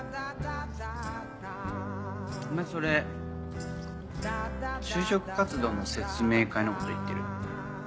お前それ就職活動の説明会のこと言ってる？